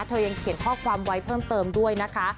ยังเขียนข้อความไว้เพิ่มเติมด้วยนะคะ